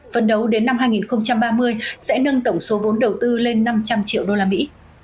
phần đấu đến năm hai nghìn ba mươi sẽ nâng tổng số vốn đầu tư lên năm trăm linh triệu đô la mỹ